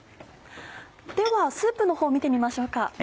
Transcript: ではスープのほう見てみましょうか。